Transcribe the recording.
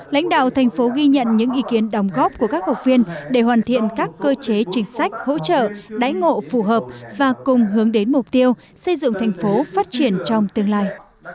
lãnh đạo thành phố ghi nhận những ý kiến đồng góp của các học viên để hoàn thiện các cơ chế chính sách hỗ trợ đáy ngộ phù hợp và cùng hướng đến mục tiêu xây dựng thành phố phát triển trong tương lai